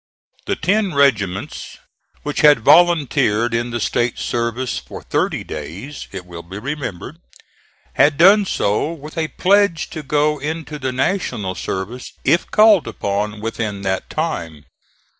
The ten regiments which had volunteered in the State service for thirty days, it will be remembered, had done so with a pledge to go into the National service if called upon within that time.